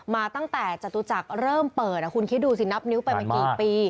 มาตั้งแต่จตุจักรเริ่มเปิดคุณคิดดูสินับนิ้วไปมากี่ปี